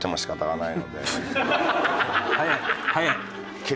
はい。